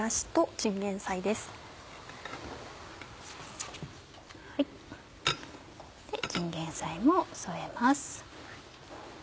チンゲンサイも添えます。